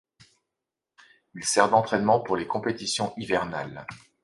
Il sert d'entraînement pour les compétitions hivernales.